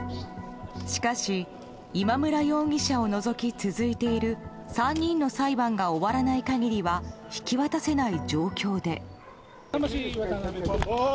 しかし、今村容疑者を除き続いている３人の裁判が終わらない限りは引き渡せない状況で。